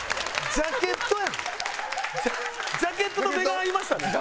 ジャケットと目が合いましたね。